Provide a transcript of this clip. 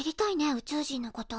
宇宙人のこと。